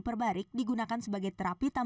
terapi ini digunakan untuk mengobati penyelaman